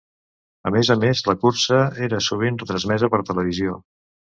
A més a més, la cursa era sovint retransmesa per televisió.